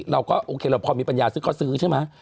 เราก็โอเคเราพอมีปัญญาซื้อก็ซื้อใช่ไหม